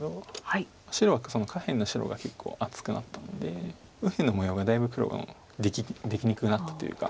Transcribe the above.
白は下辺の白が結構厚くなったので右辺の模様がだいぶ黒できにくくなったというか。